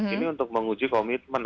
ini untuk menguji komitmen